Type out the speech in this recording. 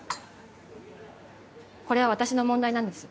これは私の問題なんです。